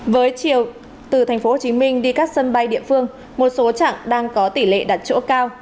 với chiều từ tp hcm đi các sân bay địa phương một số trạng đang có tỷ lệ đặt chỗ cao